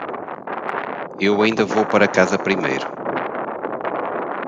Eu ainda vou para casa primeiro.